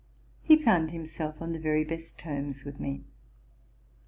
—he found himself on the very best terms with me.